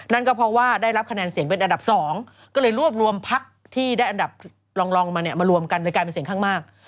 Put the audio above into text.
นั่นก็เพราะว่าได้รับคะแนนเสียงเป็นอันดับ๒ก็เลยรวบรวมพักที่ได้อันดับรองมาเนี่ยมารวมกันในการเป็นเสียงข้างมาก